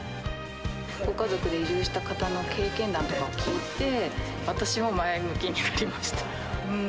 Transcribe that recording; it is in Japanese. ご家族で移住した方の経験談とか聞いて、私は前向きになりました。